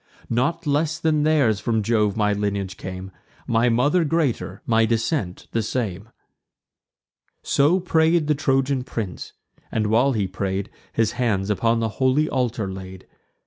Not less than theirs from Jove my lineage came; My mother greater, my descent the same." So pray'd the Trojan prince, and, while he pray'd, His hand upon the holy altar laid.